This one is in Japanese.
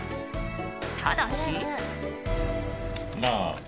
ただし。